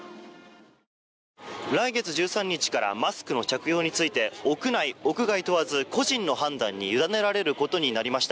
来月１３日からマスクの着用について屋内屋外問わず個人の判断に委ねられることになりました。